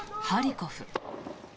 ハリコフ。